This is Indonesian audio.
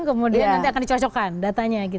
iya kemudian nanti akan dicocokkan datanya gitu